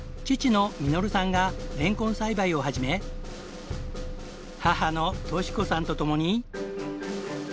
父の実さんがれんこん栽培を始め母の敏子さんと共に。